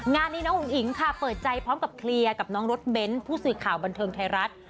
งานนี้น้องอุ๋งอิ๋งค่ะเปิดใจพร้อมกับเคลียร์กับน้องรถเบ้นผู้สื่อข่าวบันเทิงไทยรัฐ